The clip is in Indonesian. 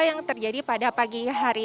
yang terjadi pada pagi hari